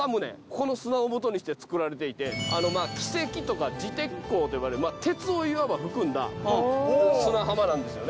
ここの砂をもとにして作られていて輝石とか磁鉄鉱と呼ばれる鉄をいわば含んだ砂浜なんですよね。